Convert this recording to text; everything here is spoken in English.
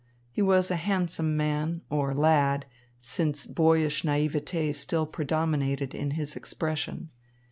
He was a handsome man, or lad, since boyish naïveté still predominated in his expression.